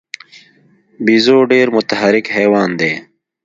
بیزو ډېر متحرک حیوان دی.